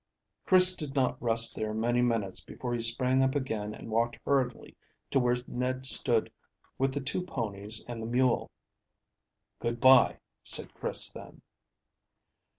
Chris did not rest there many minutes before he sprang up again and walked hurriedly to where Ned stood with the two ponies and the mule. "Good bye," said Chris then.